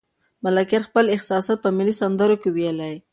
ملکیار خپل احساسات په ملي سندرو کې ویلي.